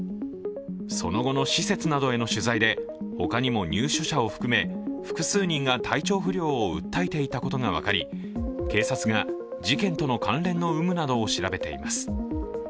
その後の施設などへの取材で、他にも入所者を含め複数人が体調不良を訴えていたことが分かり警察が事件との関連の有無などを調べています。